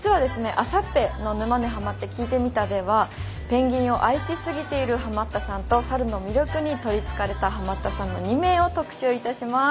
あさっての「沼にハマってきいてみた」ではペンギンを愛しすぎているハマったさんとサルの魅力に取りつかれたハマったさんの２名を特集いたします。